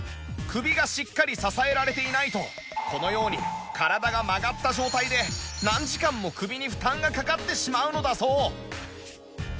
首がしっかり支えられていないとこのように体が曲がった状態で何時間も首に負担がかかってしまうのだそう